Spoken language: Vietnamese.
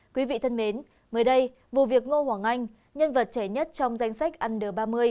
quý vị thân mến mới đây vụ việc ngô hoàng anh nhân vật trẻ nhất trong danh sách ăn n ba mươi